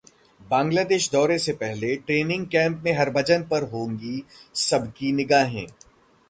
बांग्लादेश दौरे से पहले ट्रेनिंग कैंप में हरभजन पर होंगी सबकी निगाहें